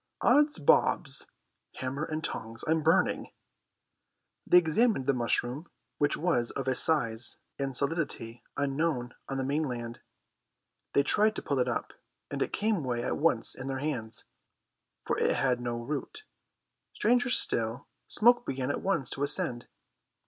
"Odds bobs, hammer and tongs I'm burning." They examined the mushroom, which was of a size and solidity unknown on the mainland; they tried to pull it up, and it came away at once in their hands, for it had no root. Stranger still, smoke began at once to ascend.